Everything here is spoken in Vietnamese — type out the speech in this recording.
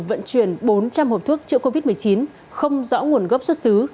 vận chuyển bốn trăm linh hộp thuốc chữa covid một mươi chín không rõ nguồn gốc xuất xứ